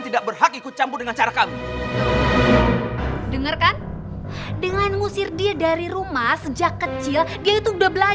sampai jumpa di video selanjutnya